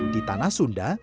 di tanah sunda